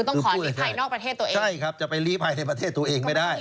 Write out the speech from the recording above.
ต้องขอลีภัยนอกประเทศตัวเองใช่ครับจะไปลีภัยในประเทศตัวเองไม่ได้